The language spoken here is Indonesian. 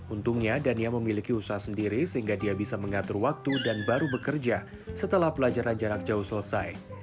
untungnya dania memiliki usaha sendiri sehingga dia bisa mengatur waktu dan baru bekerja setelah pelajaran jarak jauh selesai